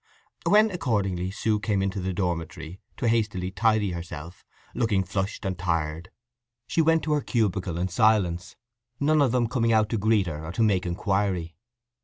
When, accordingly, Sue came into the dormitory to hastily tidy herself, looking flushed and tired, she went to her cubicle in silence, none of them coming out to greet her or to make inquiry.